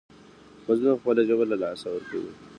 مظلوم خپله ژبه له لاسه ورکوي.